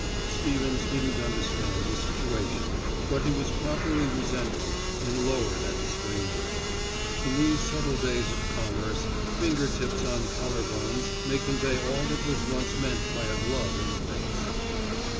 Stevens didn't understand the situation, but he was properly resentful, and lowered at the stranger. In these subtle days of commerce, finger tips on collar bones may convey all that was once meant by a glove in the face.